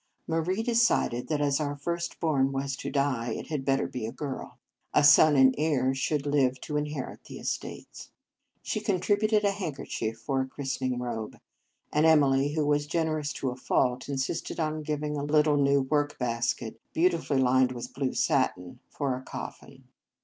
Marie decided that, as our first born was to die, it had better be a girl. A son and heir should live to inherit the estates. She contributed a handker chief for a christening robe; and Emily, who was generous to a fault, insisted on giving a little new work basket, beautifully lined with blue satin, for a coffin.